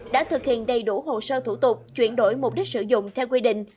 đã thực hiện đầy đủ hồ sơ thủ tục chuyển đổi mục đích sử dụng theo quy định